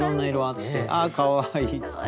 あっかわいい。